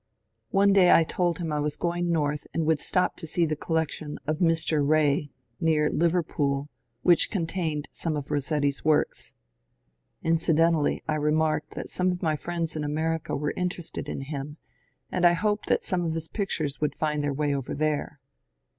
One day I told him I was going north and would stop to see the collection of Mr. Rae, near Liver pool, which contained some of Rossetti's works. Incident ally I remarked that some of my friends in America were interested in him and I hoped that some of his pictures would find their way over there.